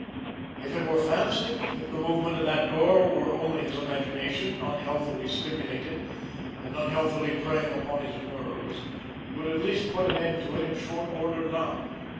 If it were fancy, if the movement of that door were only his imagination unhealthily stimulated, and unhealthily preying upon his nerves, he would at least put an end to it in short order now!